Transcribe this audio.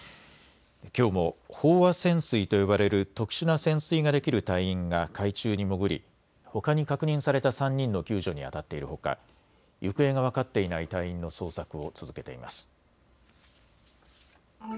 きょうも飽和潜水と呼ばれる特殊な潜水ができる隊員が海中に潜り、ほかに確認された３人の救助にあたっているほか、行方が分かっていない隊員の捜索を続けています。